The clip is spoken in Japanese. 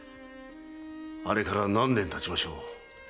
あれから何年たちましょう。